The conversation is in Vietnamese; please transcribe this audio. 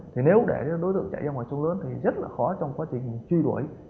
thì nếu để đối tượng chạy ra ngoài sông lớn thì rất là khó trong quá trình truy đuổi